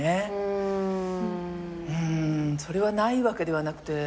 うーんそれはないわけではなくて。